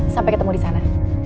sampai ketemu di sana